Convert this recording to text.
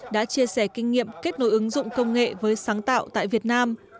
đã chia sẻ kinh nghiệm kết nối ứng dụng công nghệ với sáng tạo tại việt nam